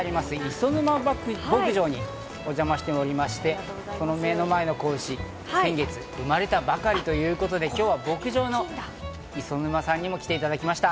磯沼牧場にお邪魔しておりまして、この目の前の子牛、先月、生まれたばかりということで、今日は牧場の磯沼さんにも来ていただきました。